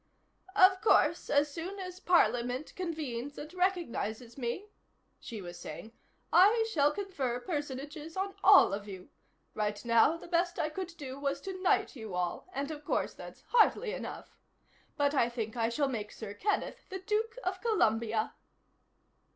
"Of course, as soon as Parliament convenes and recognizes me," she was saying, "I shall confer personages on all of you. Right now, the best I could do was to knight you all, and of course that's hardly enough. But I think I shall make Sir Kenneth the Duke of Columbia."